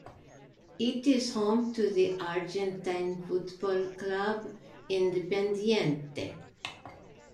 It is home to the Argentine football club Independiente.